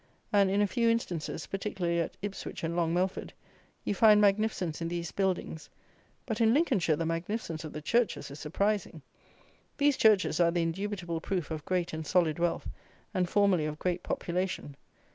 And in a few instances, particularly at Ipswich and Long Melford, you find magnificence in these buildings; but in Lincolnshire the magnificence of the churches is surprising. These churches are the indubitable proof of great and solid wealth, and formerly of great population.